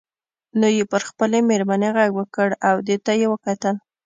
نو یې پر خپلې میرمنې غږ وکړ او دې ته یې وکتل.